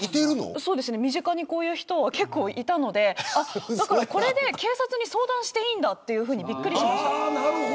そうですね身近にこういう人はいたのでこれで警察に相談していいんだとびっくりしました。